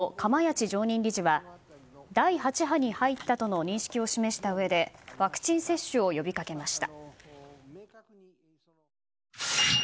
日本医師会の釜萢常任理事は第８波に入ったとの認識を示したうえでワクチン接種を呼びかけました。